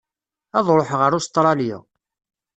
Ad ṛuḥeɣ ar Ustṛalya.